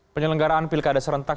penyelenggaraan pilkada serentak